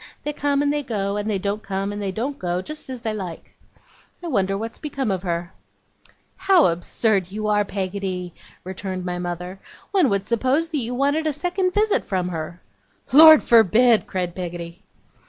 They come and they go, and they don't come and they don't go, just as they like. I wonder what's become of her?' 'How absurd you are, Peggotty!' returned my mother. 'One would suppose you wanted a second visit from her.' 'Lord forbid!' cried Peggotty.